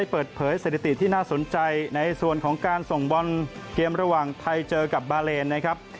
เปิดเผยสถิติที่น่าสนใจในส่วนของการส่งบอลเกมระหว่างไทยเจอกับบาเลนนะครับ